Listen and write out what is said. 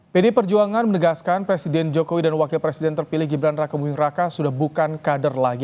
pd perjuangan menegaskan presiden jokowi dan wakil presiden terpilih gibran raka buming raka sudah bukan kader lagi